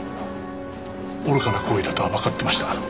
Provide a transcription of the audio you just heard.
愚かな行為だとはわかってました。